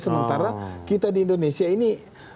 sementara kita di indonesia ini